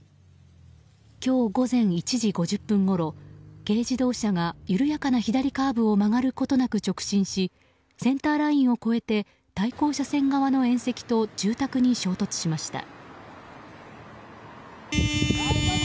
今日午前１時５０分ごろ軽自動車が緩やかな左カーブを曲がることなく直進しセンターラインを越えて対向車線側の縁石と住宅に衝突しました。